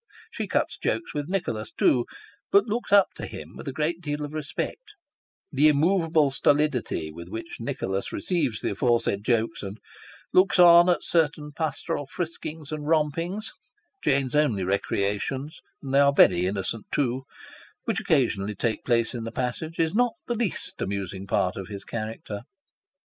She cuts jokes with Nicholas, too, but looks up to him with a great deal of respect ; the immoveable stolidity with which Nicholas receives the aforesaid jokes, and looks on, at certain pastoral friskings and rompings (Jane's only recreations, and they are very innocent too) which occasionally take place in the passage, is not the least amusing part of his character.